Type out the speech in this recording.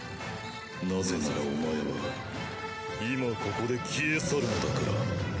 なぜならお前は今ここで消え去るのだから。